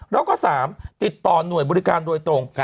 แล้วก็๓ติดต่อหน่วยบริการโดยตรง